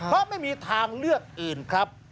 เพราะไม่มีทางเลือกอื่นครับ